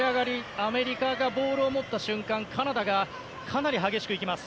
アメリカがボールを持った瞬間カナダがかなり激しくいきます。